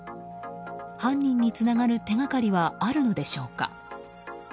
犯人につながる手がかりはあるのでしょうか。